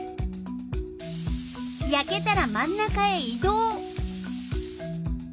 やけたら真ん中へい動。